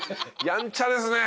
やんちゃですね。